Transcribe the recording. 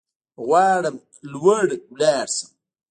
غواړم لوړ لاړ شم